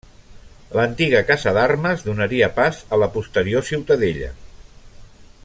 L'antiga Casa d'Armes donaria pas a la posterior Ciutadella.